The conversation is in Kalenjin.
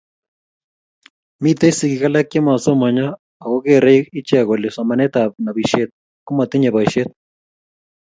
mitei sigiik alak chemasomanyoo ago gerei iche kole somanetab nobishet komatinyei boishet